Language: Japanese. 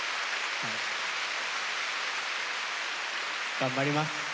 頑張ります。